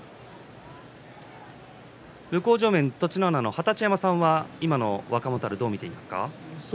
向正面、栃乃花の二十山さんは今の若元春、どう見ていますか？